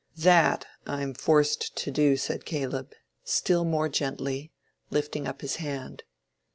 "That I'm forced to do," said Caleb, still more gently, lifting up his hand.